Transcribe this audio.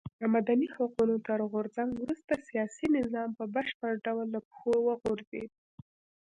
د مدني حقونو تر غورځنګ وروسته سیاسي نظام په بشپړ ډول له پښو وغورځېد.